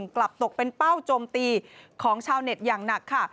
กลับตกเป็นเป้าโจมตีของชาวเน็ตอย่างหนักค่ะ